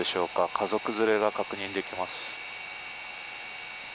家族連れが確認できます。